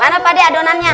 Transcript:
mana pak de adonannya